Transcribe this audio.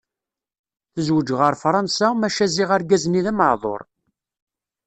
Tezweǧ ɣer Fransa, maca ziɣ argaz-nni d ameɛḍur.